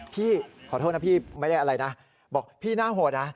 พี่ขอโทษนะพี่ไม่ได้อะไรนะบอกพี่น่าโหดนะ